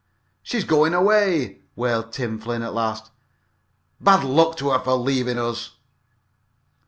"She's goin' away!" wailed Tim Flynn at last. "Bad luck to her fer lavin' us!"